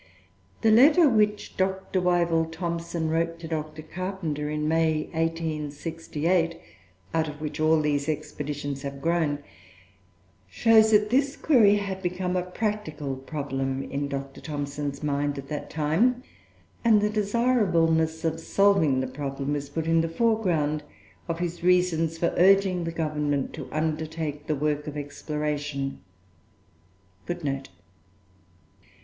The letter which Dr. Wyville Thomson wrote to Dr. Carpenter in May, 1868, out of which all these expeditions have grown, shows that this query had become a practical problem in Dr. Thomson's mind at that time; and the desirableness of solving the problem is put in the foreground of his reasons for urging the Government to undertake the work of exploration: [Footnote 7: See above, "On a Piece of Chalk," p. 13.